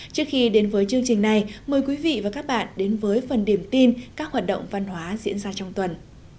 trước khi đến với chương trình này mời quý vị và các bạn đến với phần điểm tin các hoạt động văn hóa diễn ra trong tuần